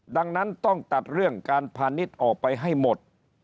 ดังนั้นต้องตัดเรื่องการพาณิชย์ออกไปให้หมด